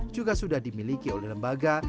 juga sudah dimiliki oleh lembaga